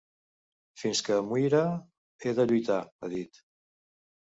Fins que em muira he de lluitar, ha dit.